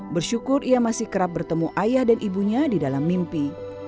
bersyukur ia masih kerap bertemu ayah dan ibunya di dalam mimpi